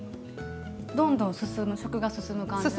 どんどん食が進む感じ。